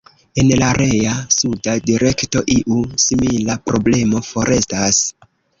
En la rea, suda direkto iu simila problemo forestas.